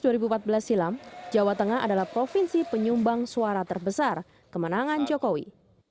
dua ribu empat belas silam jawa tengah adalah provinsi penyumbang suara terbesar kemenangan jokowi